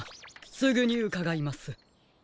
すぐにうかがいます。